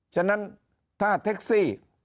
ฉะนั้นถ้าแท็กซี่